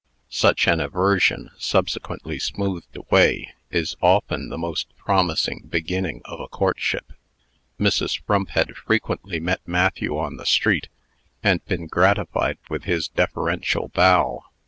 Such an aversion, subsequently smoothed away, is often the most promising beginning of a courtship. Mrs. Frump had frequently met Matthew on the street, and been gratified with his deferential bow.